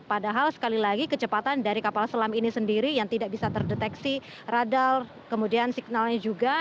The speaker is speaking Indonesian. padahal sekali lagi kecepatan dari kapal selam ini sendiri yang tidak bisa terdeteksi radal kemudian signalnya juga